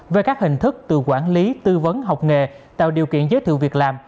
về các hình thức từ quản lý tư vấn học nghề tạo điều kiện giới thiệu việc làm